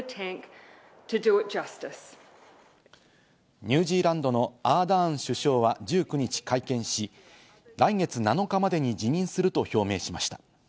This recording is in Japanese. ニュージーランドのアーダーン首相は１９日、会見し、来月７日までに辞任すると表明しました。